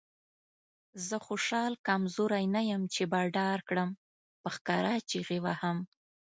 زه خوشحال کمزوری نه یم چې به ډار کړم. په ښکاره چیغې وهم.